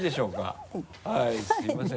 はいすみません。